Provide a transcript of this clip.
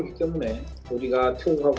karena kita sudah menunggu